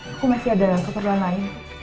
aku masih ada keperluan lain